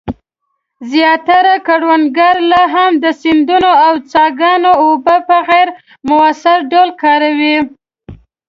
زیاتره کروندګر لا هم د سیندونو او څاګانو اوبه په غیر مؤثر ډول کاروي.